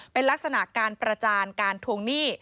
เป็นลักษณะการประจานการทวงหนี้